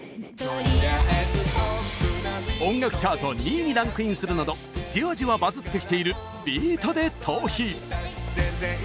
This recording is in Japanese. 音楽チャート２位にランクインするなどじわじわバズってきている「ビートＤＥトーヒ」。